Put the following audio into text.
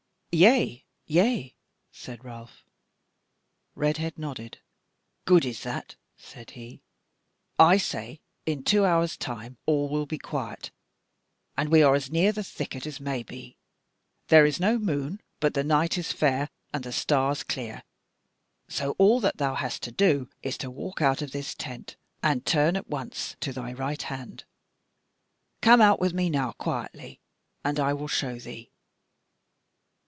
"Yea, yea," said Ralph. Redhead nodded: "Good is that," said he; "I say in two hours' time all will be quiet, and we are as near the thicket as may be; there is no moon, but the night is fair and the stars clear; so all that thou hast to do is to walk out of this tent, and turn at once to thy right hand: come out with me now quietly, and I will show thee."